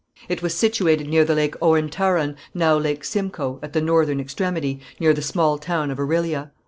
It was situated near the lake Ouentaron, now lake Simcoe, at the northern extremity, near the small town of Orillia.